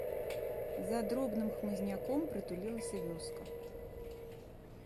За дробным хмызняком прытулілася вёска.